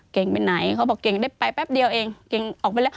เก่งไปไหนเขาบอกเก่งได้ไปแป๊บเดียวเองเก่งออกไปแล้ว